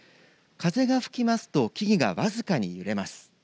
風が吹きますと木々がわずかに揺れます。